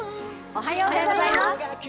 おはようございます。